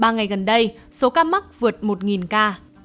ba ngày gần đây số ca mắc vượt một ca